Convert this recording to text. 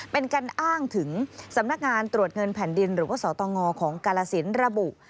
เป็นการอ้างถึงสำนักงานตรวจเงินแผ่นดินหรือว่าสตงของกาลสินระบุ